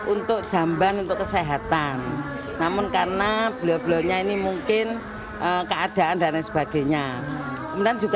untuk jamban untuk kesehatan namun karena beliau belonnya ini mungkin keadaan dan sebagainya menang